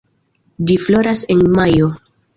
Ĝi floras en majo.